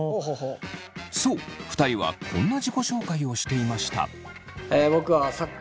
そう２人はこんな自己紹介をしていました。